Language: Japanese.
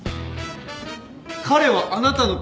彼はあなたの後輩。